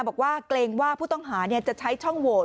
บอกว่าเกรงว่าผู้ต้องหาจะใช้ช่องโหวต